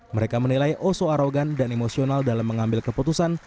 mereka menilai oso arogan dan emosional dalam mengambil keputusan